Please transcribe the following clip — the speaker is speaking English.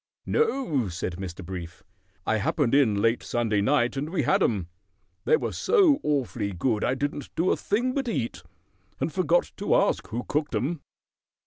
"No," said Mr. Brief. "I happened in late Sunday night, and we had 'em. They were so awfully good I didn't do a thing but eat, and forgot to ask who cooked 'em."